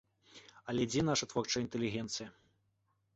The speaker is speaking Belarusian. Але дзе нашая творчая інтэлігенцыя?